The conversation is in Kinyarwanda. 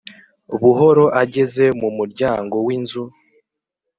buhoro ageze mu muryango winzu